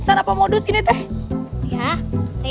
bella bantuin ya